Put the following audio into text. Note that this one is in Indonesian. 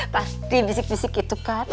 pasti bisik bisik gitu kan